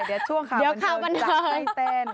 เดี๋ยวช่วงคำบันนับเต้น